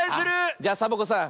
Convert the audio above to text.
じゃサボ子さん